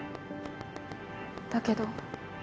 だけど。